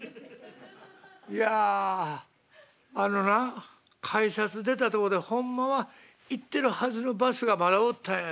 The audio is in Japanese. いやあのな改札出たとこでホンマは行ってるはずのバスがまだおったんや。